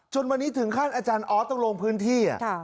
วันนี้ถึงขั้นอาจารย์ออสต้องลงพื้นที่